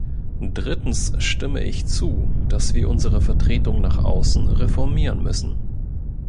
Drittens stimme ich zu, dass wir unsere Vertretung nach außen reformieren müssen.